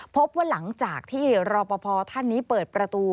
พบว่าหลังจากที่รอปภท่านนี้เปิดประตู